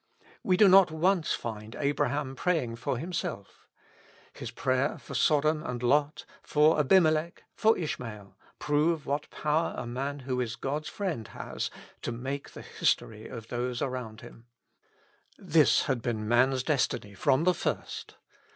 We do not once find Abraham praying for himself His prayer for Sodom and Lot, for Abimelech, for Ishmael, prove what power a man who is God's friend has to make the history of those around him. This had been man's destiny from the first.